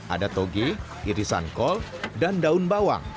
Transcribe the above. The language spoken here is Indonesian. ada toge irisan kol dan daun bawang